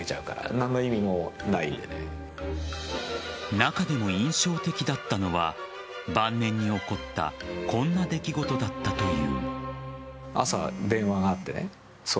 中でも印象的だったのは晩年に起こったこんな出来事だったという。